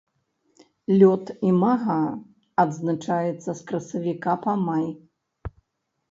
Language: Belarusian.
Лёт імага адзначаецца з красавіка па май.